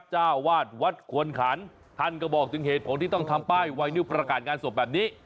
เจ้าวาดวัดควรขันท่านก็บอกถึงเหตุผลที่ต้องทำป้ายไวนิวประกาศงานศพแบบนี้